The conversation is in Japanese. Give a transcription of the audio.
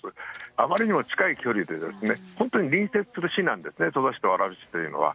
あまりにも近い距離で、本当に隣接する市なんですね、戸田市と蕨市というのは。